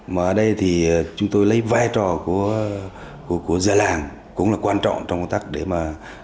mà ở đây thì chúng tôi lấy vai trò của gia làng cũng là quan trọng trong công tác để mà